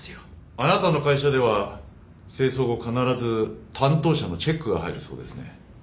あなたの会社では清掃後必ず担当者のチェックが入るそうですね。